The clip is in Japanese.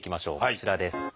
こちらです。